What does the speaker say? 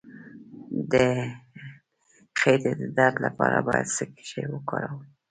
د خیټې د درد لپاره باید څه شی وکاروم؟